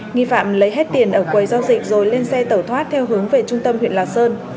nghi phạm lấy hết tiền ở quầy giao dịch rồi lên xe tẩu thoát theo hướng về trung tâm huyện lạc sơn